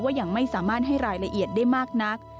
ยังไม่สามารถให้รายละเอียดได้มากนัก